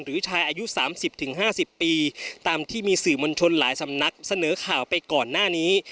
หรือชายอายุ๓๐๕๐ปีตามที่มีสื่อมวลชนหลายสำนักเสนอข่าวไปก่อนหน้านี้